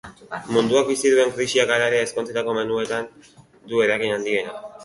Munduak bizi duen krisiak, hala ere, ezkontzetako menuetan du eragin handiena.